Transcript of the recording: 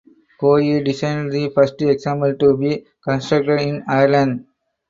Coey designed the first example to be constructed in Ireland.